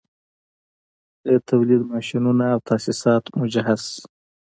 د تولید ماشینونه او تاسیسات مجهز شي